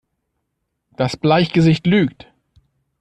Das Bleichgesicht lügt!